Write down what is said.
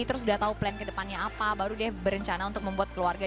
terus sudah tahu plan ke depannya apa baru dia berencana untuk membuat keluarga